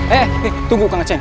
hei tunggu kang maceng